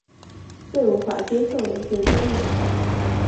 最無法接受的是真人版